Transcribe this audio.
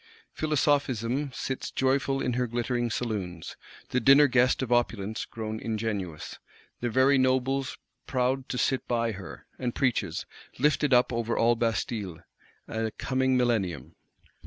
Philosophism sits joyful in her glittering saloons, the dinner guest of Opulence grown ingenuous, the very nobles proud to sit by her; and preaches, lifted up over all Bastilles, a coming millennium.